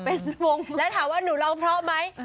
เป็นวงแล้วถามว่าหนูร้องเพราะไหม